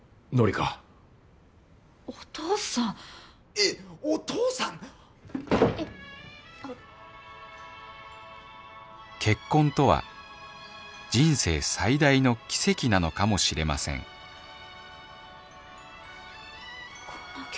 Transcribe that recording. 『君といつまでも』結婚とは人生最大の奇跡なのかもしれませんこの曲。